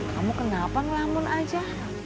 kamu kenapa ngelamun aja